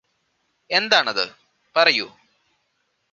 എന്താണത് പറയൂ